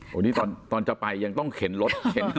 โหนี่ตอนจะไปยังต้องเข็นรถ